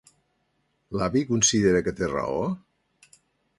L'avi considera que té raó?